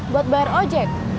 buat bayar ojek